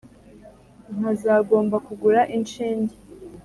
Nkazagomba kugura inshinge,